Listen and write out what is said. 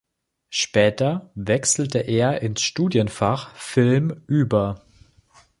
Später wechselte er ins Studienfach Film über.